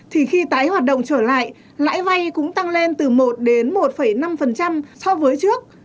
thì khi tái hoạt động trở lại lãi vay cũng tăng lên từ một đến một năm so với trước